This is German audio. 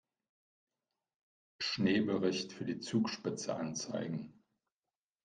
Schneebericht für die Zugspitze anzeigen.